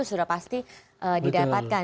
sudah pasti didapatkan